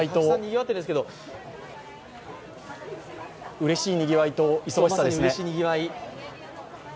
うれしいにぎわいと忙しさですね。